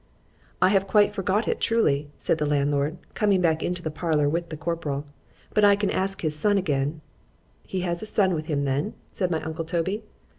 ——I have quite forgot it truly, said the landlord, coming back into the parlour with the corporal,—but I can ask his son again:——Has he a son with him then? said my uncle _Toby.